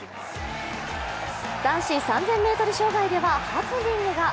男子３０００ｍ障害ではハプニングが。